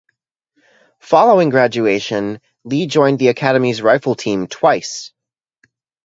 Following graduation, Lee joined the academy's rifle team twice.